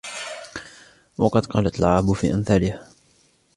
وَقَدْ قَالَتْ الْعَرَبُ فِي أَمْثَالِهَا